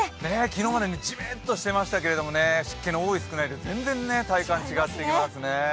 昨日まではじめっとしていましたけど湿気の多い少ないで全然体感違ってきますね。